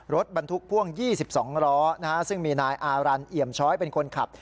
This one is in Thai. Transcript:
รถบรรทุกพ่วง๒๒ล้อซึ่งมีนายอารันเอี่ยมช้อยเป็นคนขับ